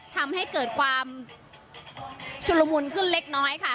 ทำให้เกิดความชุลมุนขึ้นเล็กน้อยค่ะ